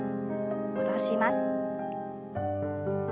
戻します。